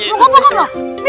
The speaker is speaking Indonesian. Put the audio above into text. buka buka buka